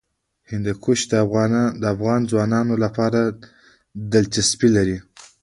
هندوکش د افغان ځوانانو لپاره دلچسپي لري.